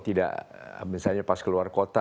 tidak misalnya pas keluar kota